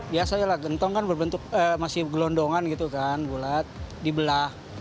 biasanya lah gentong kan berbentuk masih gelondongan gitu kan bulat dibelah